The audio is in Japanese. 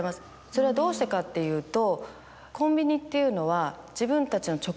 それはどうしてかっていうと。